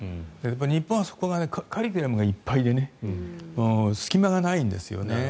日本は、そこがカリキュラムがいっぱいで隙間がないんですよね。